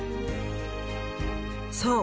そう！